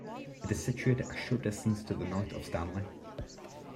It is situated a short distance to the north of Stanley.